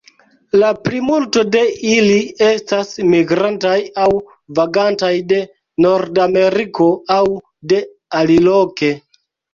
La plimulto de ili estas migrantaj aŭ vagantaj de Nordameriko aŭ de aliloke.